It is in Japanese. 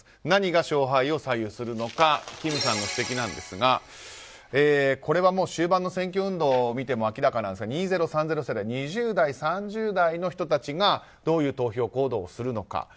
何が勝敗を左右するのか金さんの指摘ですがこれは終盤の選挙運動を見ても明らかなんですが２０３０世代２０代、３０代の人たちがどういう投票行動をするのか。